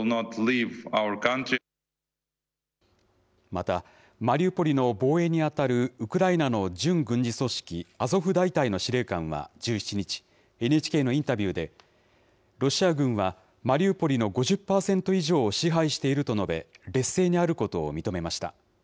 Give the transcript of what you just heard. また、マリウポリの防衛に当たるウクライナの準軍事組織、アゾフ大隊の司令官は１７日、ＮＨＫのインタビューで、ロシア軍はマリウポリの５０％以上を支配していると述べ、劣勢にあることを認めました。